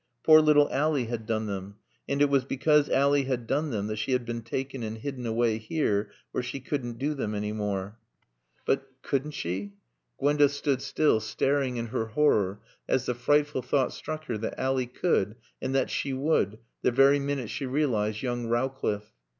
Poor little Ally had done them. And it was because Ally had done them that she had been taken and hidden away here where she couldn't do them any more. But couldn't she? Gwenda stood still, staring in her horror as the frightful thought struck her that Ally could, and that she would, the very minute she realised young Rowcliffe.